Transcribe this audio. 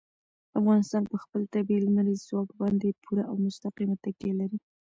افغانستان په خپل طبیعي لمریز ځواک باندې پوره او مستقیمه تکیه لري.